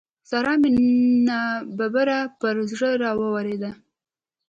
سارا مې ناببره پر زړه را واورېده.